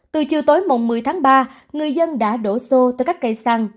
từ chiều tối mộng một mươi tháng ba người dân đã đổ xô từ các cây xăng